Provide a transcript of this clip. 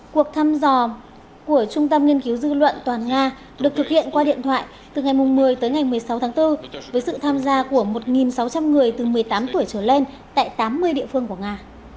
cuộc thăm dò của trung tâm nghiên cứu dư luận toàn nga được thực hiện qua điện thoại từ ngày một mươi tới ngày một mươi sáu tháng bốn với sự tham gia của một sáu trăm linh người từ một mươi tám tuổi trở lên tại tám mươi địa phương của nga